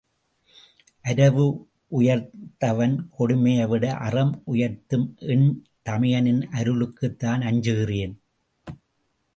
அரவு உயர்த்தவன் கொடுமையைவிட அறம் உயர்த்தும் என் தமையனின் அருளுக்குத் தான் அஞ்சுகிறேன்.